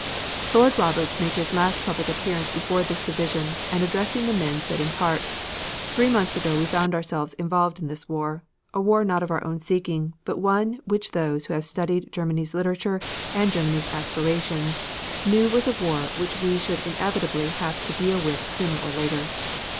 Lord Roberts made his last public appearance before this division and addressing the men said in part: "Three months ago we found ourselves involved in this war a war not of our own seeking, but one which those who have studied Germany's literature and Germany's aspirations, knew was a war which we should inevitably have to deal with sooner or later.